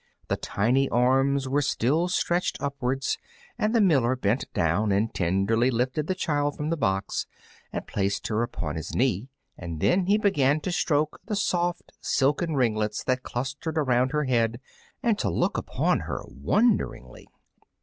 The tiny arms were still stretched upwards, and the miller bent down and tenderly lifted the child from the box and placed her upon his knee, and then he began to stroke the soft, silken ringlets that clustered around her head, and to look upon her wonderingly.